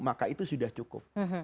maka itu sudah cukup